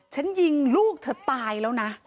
ฉันยิงลูกเธอตายแล้วนะ